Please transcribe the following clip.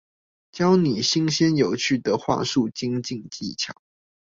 教你新鮮有趣的話術精進技巧